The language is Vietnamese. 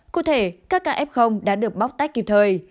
cụ thể các ca f đã được bóc tách kịp thời